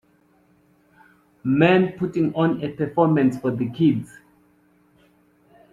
Man putting on a performance for the kids.